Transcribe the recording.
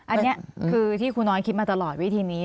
อันนี้คือที่ครูน้อยคิดมาตลอดวิธีนี้